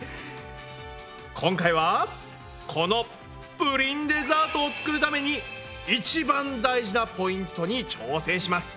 今回はこのプリンデザートを作るために一番大事なポイントに挑戦します。